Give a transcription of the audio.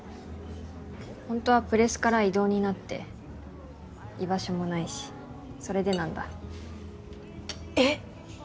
本当はプレスから異動になって居場所もないしそれでなんだ。え！？